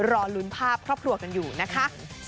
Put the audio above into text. รอลุ้นภาพครอบครัวกันอยู่นะคะ